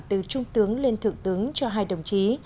từ trung tướng lên thượng tướng cho hai đồng chí